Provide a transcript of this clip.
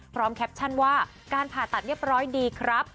แคปชั่นว่าการผ่าตัดเรียบร้อยดีครับ